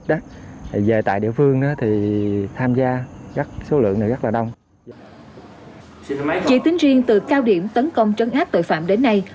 chỉ tính riêng từ cao điểm tấn công trấn áp tội phạm đến nay